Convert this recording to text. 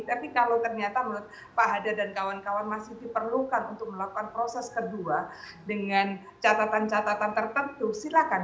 tapi kalau ternyata menurut pak hadar dan kawan kawan masih diperlukan untuk melakukan proses kedua dengan catatan catatan tertentu silahkan